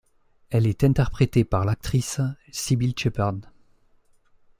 Elle est interprétée par l'actrice Cybill Shepherd.